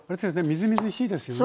みずみずしいですよね。